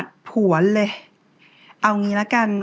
พี่ถึกจ้าชายหญิงอยู่ในห้องด้วยกันซะ